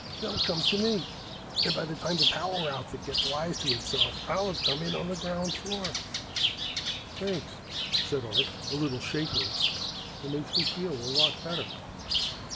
They'll come to me, and by the time the power outfit gets wise to itself, I'll 've come in on the ground floor." "Thanks," said Arch, a little shakily. "It makes me feel a lot better."